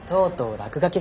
落書き？